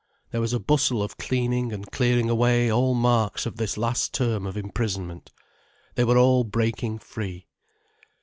There was a bustle of cleaning and clearing away all marks of this last term of imprisonment. They were all breaking free.